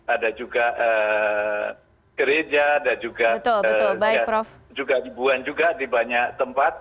ada juga gereja dan juga ribuan juga di banyak tempat